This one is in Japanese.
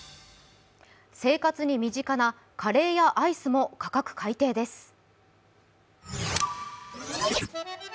生活に身近なカレーやアイスも価格改定です。